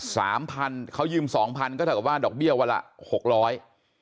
สามพันเขายืมสองพันก็เท่ากับว่าดอกเบี้ยวันละหกร้อย